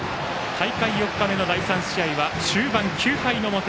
大会４日目の第３試合は終盤、９回の表。